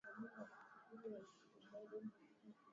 Na kuja kuharibu mfumo mzima wa maisha katika siku zao za kuishi